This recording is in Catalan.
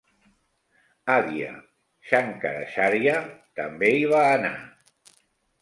Adya Shankaracharya també hi va anar.